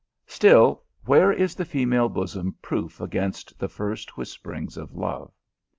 Still, where is the female bosom proof against the first whisperings of love